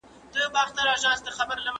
زه مخکي تکړښت کړی و!!